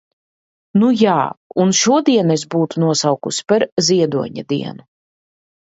Nujā, un šodienu es būtu nosaukusi par Ziedoņa dienu.